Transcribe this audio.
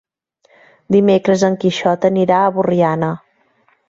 Dimecres en Quixot anirà a Borriana.